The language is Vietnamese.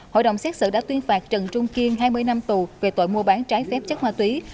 hội đồng xét xử đã tuyên phạt trần trung kiên hai mươi năm tù về tội mua bán trái phép chất ma túy